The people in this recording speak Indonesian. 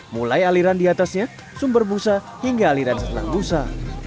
mulai aliran di atasnya sumber busa hingga aliran setelah busa